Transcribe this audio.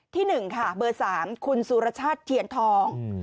๑ค่ะเบอร์๓คุณสุรชาติเทียนทอง